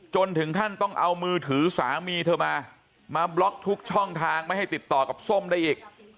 จนถึงขั้นต้องเอามือถือสามีเธอมามาบล็อกทุกช่องทางไม่ให้ติดต่อกับส้มได้อีก